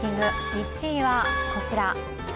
１位はこちら。